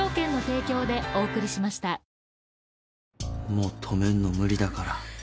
もう止めんの無理だから。